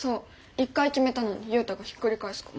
一回決めたのにユウタがひっくり返すから。